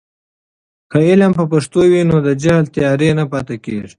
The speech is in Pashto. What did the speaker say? که علم په پښتو وي، نو د جهل تیارې نه پاتې کېږي.